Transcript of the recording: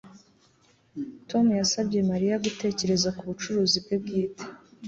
Tom yasabye Mariya gutekereza ku bucuruzi bwe bwite